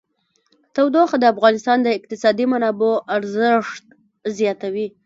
تودوخه د افغانستان د اقتصادي منابعو ارزښت زیاتوي.